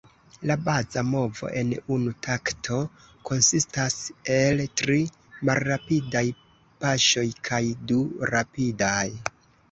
La baza movo en unu takto konsistas el tri malrapidaj paŝoj kaj du rapidaj.